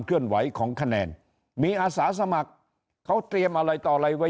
เลื่อนไหวของคะแนนมีอาสาสมัครเขาเตรียมอะไรต่ออะไรไว้